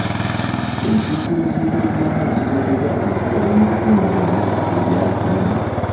Ensiisira z'ebyobulamu ziteekeddwa okukolebwa mu bitundu byonna ebya Uganda.